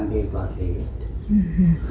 để quản lý